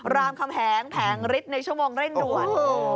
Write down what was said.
รามคำแหงแผงฤทธิ์ในชั่วโมงเร่งด่วน